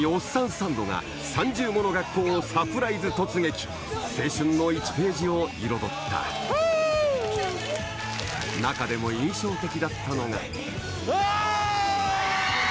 サンドが３０もの学校をサプライズ突撃青春の１ページを彩った中でも印象的だったのがわぁ！